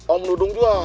om dudung juga